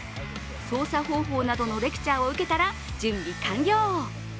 操作方法などのレクチャーを受けたら準備完了。